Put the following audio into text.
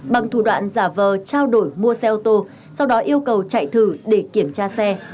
bằng thủ đoạn giả vờ trao đổi mua xe ô tô sau đó yêu cầu chạy thử để kiểm tra xe